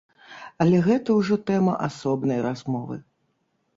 Але гэта ўжо тэма асобнай размовы.